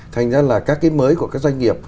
thành ra là các cái mới của các doanh nghiệp